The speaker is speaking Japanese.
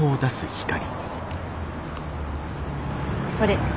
これ。